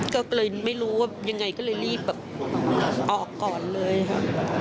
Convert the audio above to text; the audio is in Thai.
ก็เลยไม่รู้ว่ายังไงก็เลยรีบแบบออกก่อนเลยค่ะ